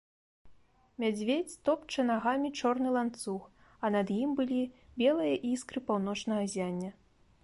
Мядзведзь топча нагамі чорны ланцуг, а над ім былі белыя іскры паўночнага ззяння.